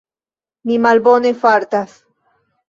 Mi malbone fartas.